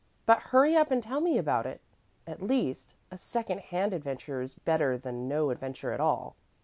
But hurry up and tell me about it, at least; a second hand adventure's better than no adventure at all.